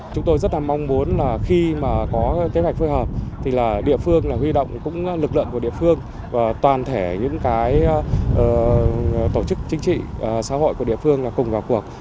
chúng tôi rất mong muốn khi có kế hoạch phối hợp thì địa phương huy động lực lượng của địa phương và toàn thể những tổ chức chính trị xã hội của địa phương cùng vào cuộc